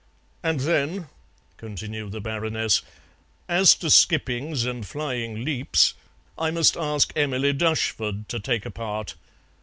And then," continued the Baroness, "as to skippings and flying leaps; I must ask Emily Dushford to take a part.